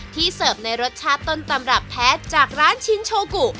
เสิร์ฟในรสชาติต้นตำรับแท้จากร้านชินโชกุ